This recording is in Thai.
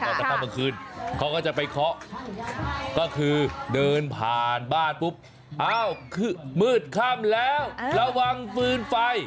เพราะเมื่อคืนเคาก็จะไปเคาะก็คือเดินผ่านบ้านมืดข้ำแล้วระวังฟืนไฟ